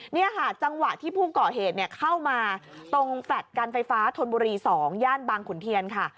นี่ค่ะจังหวะที่ผู้ก่อเหตุเข้ามาตรงแฟลต์การไฟฟ้าธนบุรี๒ย่านบางขุนเทียนค่ะ